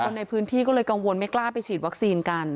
ในพื้นที่ก็เลยกังวลไม่กล้าไปฉีดวัคซีนกัน